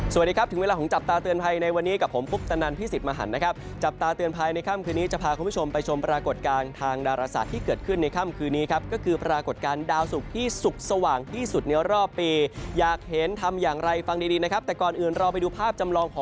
สวัสดีครับถึงเวลาของจับตาเตือนภัยในวันนี้กับผมพุทธนันพี่สิทธิ์มหันนะครับจับตาเตือนภัยในค่ำคืนนี้จะพาคุณผู้ชมไปชมปรากฏการณ์ทางดาราศาสตร์ที่เกิดขึ้นในค่ำคืนนี้ครับก็คือปรากฏการณ์ดาวสุกที่สุขสว่างที่สุดในรอบปีอยากเห็นทำอย่างไรฟังดีดีนะครับแต่ก่อนอื่นเราไปดูภาพจำลองของ